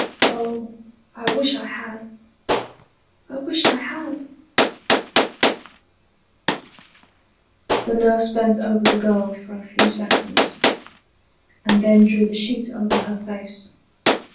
Oh, I wish I had ! I wish I had !" The nurse bent over the girl for a few seconds, and then drew the sheet over her face.